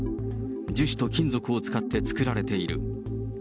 樹脂と金属を使って作られている。